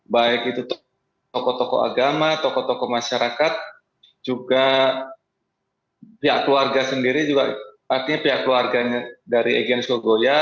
baik itu tokoh tokoh agama tokoh tokoh masyarakat juga pihak keluarga sendiri juga artinya pihak keluarganya dari egyens kogoya